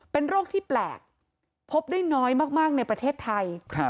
เป็นโรคที่แปลกพบได้น้อยมากในประเทศไทย